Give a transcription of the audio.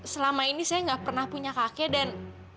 selama ini saya nggak pernah punya kakek dan